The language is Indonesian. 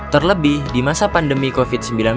terlebih di masa pandemi covid sembilan belas